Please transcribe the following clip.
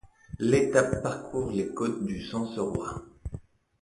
L'étape parcourt les côtes du Sancerrois.